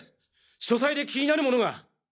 書斎で気になるものが！